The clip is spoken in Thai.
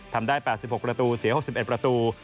ทำได้๘๖ประตูเสีย๖๑ประตู